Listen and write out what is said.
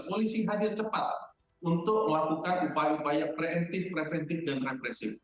polisi hadir cepat untuk melakukan upaya upaya preventif preventif dan represif